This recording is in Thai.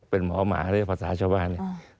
เป็นหมอหมาหรือพระศาชาบาล